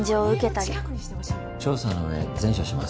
調査の上善処します。